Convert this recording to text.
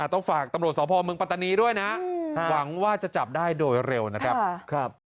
ต้องฝากตำรวจสพเมืองปัตตานีด้วยนะหวังว่าจะจับได้โดยเร็วนะครับ